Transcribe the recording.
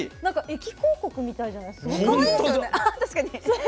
駅広告みたいじゃない？